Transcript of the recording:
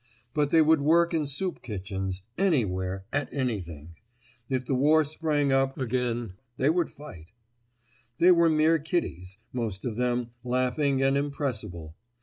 But they would work in soup kitchens, anywhere, at anything. If the war sprang up again, they would fight. They were mere kiddies, most of them, laughing and irrepressible.